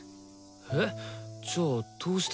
えっじゃあどうして？